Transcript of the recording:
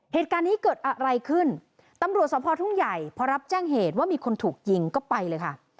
เหตุการณ์นี้เกิดอะไรขึ้นตำรวจสภทุ่งใหญ่พอรับแจ้งเหตุว่ามีคนถูกยิงก็ไปเลยค่ะ